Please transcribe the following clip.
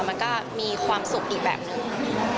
มันก็มีความสุขอีกแบบหนึ่ง